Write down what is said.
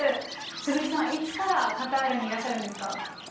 鈴木さん、いつからカタールにいらっしゃるんですか？